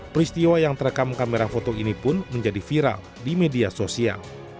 peristiwa yang terekam kamera foto ini pun menjadi viral di media sosial